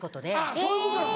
そういうことなの？